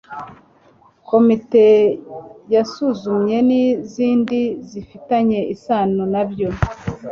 komite yasuzumye n'izindi zifitanye isano nabyo